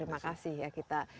terima kasih ya kita